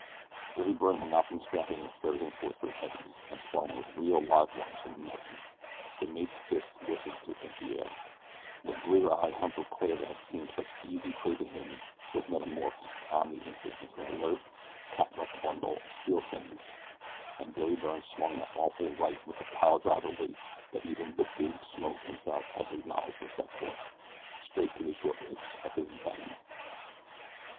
Billy Byrne had not been scrapping with third and fourth rate heavies, and sparring with real, live ones for nothing. The mate's fist whistled through empty air; the blear eyed hunk of clay that had seemed such easy prey to him was metamorphosed on the instant into an alert, catlike bundle of steel sinews, and Billy Byrne swung that awful right with the pile driver weight, that even The Big Smoke himself had acknowledged respect for, straight to the short ribs of his antagonist.